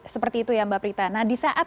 seperti itu ya mbak prita nah di saat